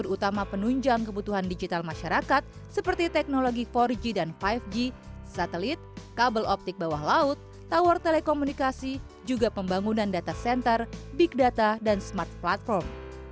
utama penunjang kebutuhan digital masyarakat seperti teknologi empat g dan lima g satelit kabel optik bawah laut tower telekomunikasi juga pembangunan data center big data dan smart platform